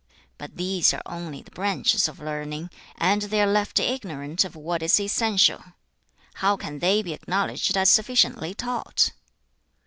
But these are only the branches of learning, and they are left ignorant of what is essential. How can they be acknowledged as sufficiently taught?'